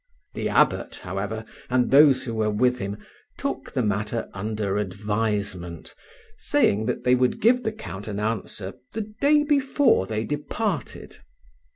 The abbot, however, and those who were with him took the matter under advisement, saying that they would give the count an answer the day before they departed.